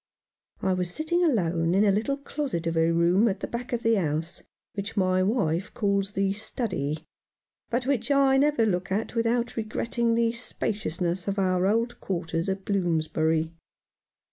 I was sitting alone in a little closet of a room at the back of the house, which my wife calls the study, but which I never look at without regretting the spaciousness of our old quarters at Bloomsbury.